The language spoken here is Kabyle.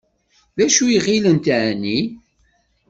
D acu i ɣilent εni?